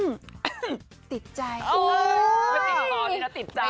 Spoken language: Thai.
ไม่ได้ติดคอทีนั้นติดใจ